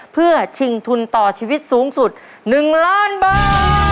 เพื่อชิงทุนต่อชีวิตสูงสุด๑ล้านบาท